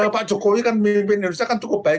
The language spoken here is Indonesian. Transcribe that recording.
pak jokowi kan memimpin indonesia kan cukup baik